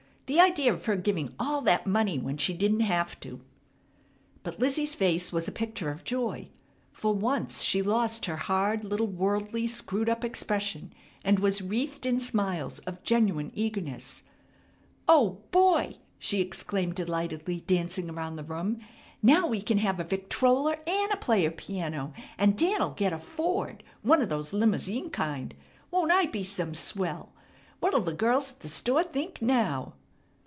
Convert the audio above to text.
The idea of her giving all that money when she didn't have to!" But Lizzie's face was a picture of joy. For once she lost her hard little worldly screwed up expression and was wreathed in smiles of genuine eagerness: "Oh Boy!" she exclaimed delightedly, dancing around the room, "Now we can have a victrola, an' a player piano, and Dan'll get a Ford, one o' those limousine kind! Won't I be some swell? What'll the girls at the store think now?"